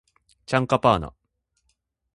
チャンカパーナ